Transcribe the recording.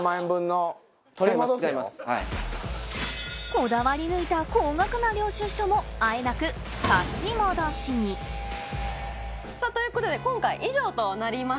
こだわり抜いた高額な領収書もあえなくさぁということで今回以上となります。